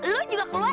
lu juga keluar